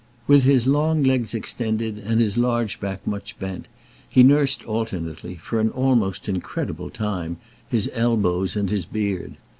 With his long legs extended and his large back much bent, he nursed alternately, for an almost incredible time, his elbows and his beard.